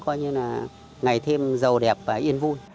coi như là ngày thêm giàu đẹp và yên vui